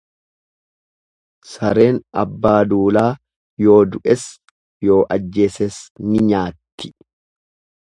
Sareen abbaa duulaa yoo du'es, yoo ajjeeses ni nyaatti.